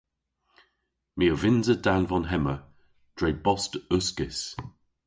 My a vynnsa danvon hemma dre bost uskis.